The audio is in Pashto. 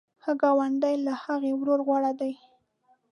ښه ګاونډی له هغه ورور غوره دی.